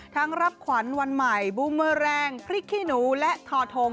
รับขวัญวันใหม่บูเมอร์แรงพริกขี้หนูและทอทง